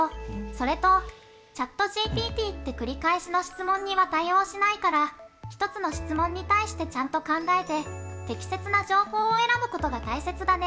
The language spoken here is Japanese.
それと、ＣｈａｔＧＰＴって繰り返しの質問には対応しないからひとつの質問に対してちゃんと考えて、適切な情報を選ぶことが大切だね！